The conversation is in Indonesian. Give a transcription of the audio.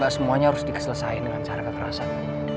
gak semuanya harus dikeselesain dengan cara kekerasan